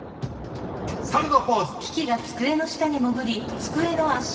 サルのポーズ！